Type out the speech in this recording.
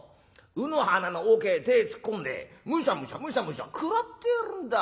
卯の花の桶へ手ぇ突っ込んでむしゃむしゃむしゃむしゃ食らってやがるんだ。